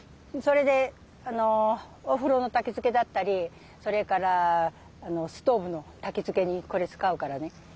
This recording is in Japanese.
それでお風呂のたきつけだったりそれからストーブのたきつけにこれ使うからね。